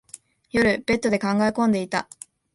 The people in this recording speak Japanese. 夜、ベッドで考え込んでいた。